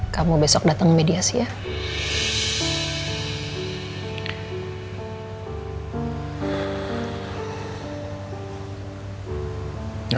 kamu besok dateng mediasi ya